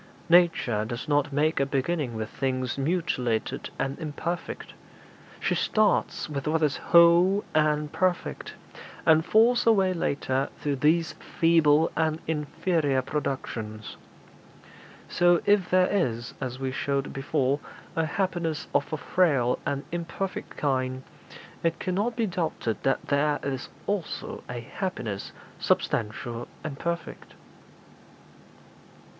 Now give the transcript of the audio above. Nature does not make a beginning with things mutilated and imperfect; she starts with what is whole and perfect, and falls away later to these feeble and inferior productions. So if there is, as we showed before, a happiness of a frail and imperfect kind, it cannot be doubted but there is also a happiness substantial and perfect.'